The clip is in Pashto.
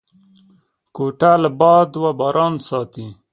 کوټه له باد و بارانه ساتي.